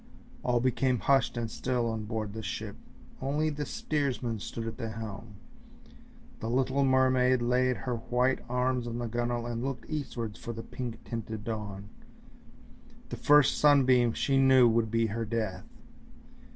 All became hushed and still on board the ship, only the steersman stood at the helm, the little mermaid laid her white arms on the gunwale and looked eastwards for the pink tinted dawn; the first sunbeam she knew would be her death.